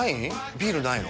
ビールないの？